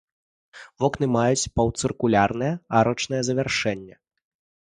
Вокны маюць паўцыркульнае арачнае завяршэнне.